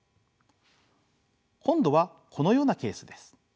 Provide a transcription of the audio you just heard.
今度はこのようなケースです。